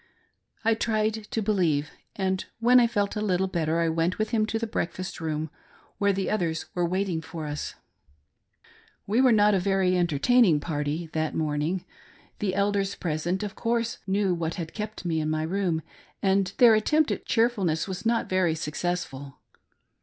I tried to believe, and when I felt a little better I went with him to the breakfast room where the others were waiting for us. AN OLD MANS IDEA OF ISHMAEL. I4I We were not a very entertaining party that morning. The Elders present, of course knew what had kept me in my room, and their attempt at cheerfulness was not very success ful.